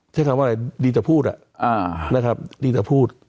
ใช่คำว่าอะไรดีจะพูดอ่ะนะครับดีจะพูด